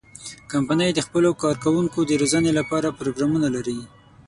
کمپنۍ د خپلو کارکوونکو د روزنې لپاره پروګرامونه لري.